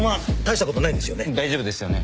大丈夫ですよね？